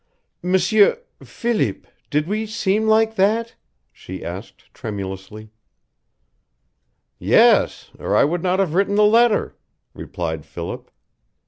"M'sieur Philip did we seem like that?" she asked, tremulously. "Yes, or I would not have written the letter," replied Philip.